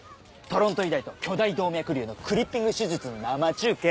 トロント医大と巨大動脈瘤のクリッピング手術の生中継。